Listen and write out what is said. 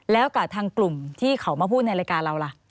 แล้วกับทางกลุ่มที่เขามาพูดในรายการเราล่ะ